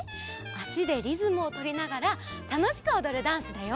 あしでリズムをとりながらたのしくおどるダンスだよ。